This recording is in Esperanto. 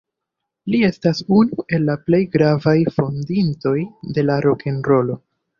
Li estas unu el la plej gravaj fondintoj de la rokenrolo.